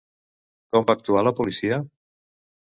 Com va actuar la policia?